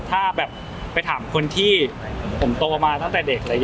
ถ้าแบบไปถามคนที่ผมโตมาตั้งแต่เด็ก